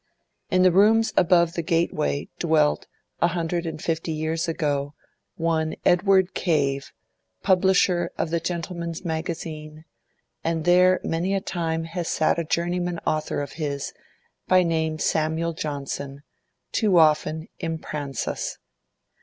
In the rooms above the gateway dwelt, a hundred and fifty years ago, one Edward Cave, publisher of the Gentleman's Magazine, and there many a time has sat a journeyman author of his, by name Samuel Johnson, too often impransus.